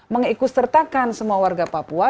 mengikustertakan semua warga papua